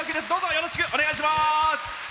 よろしくお願いします。